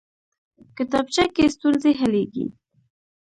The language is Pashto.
کتابچه کې ستونزې حلېږي